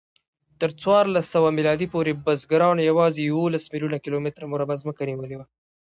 تر څوارلسسوه میلادي پورې بزګرانو یواځې یوولس میلیونه کیلومتره مربع ځمکه نیولې وه.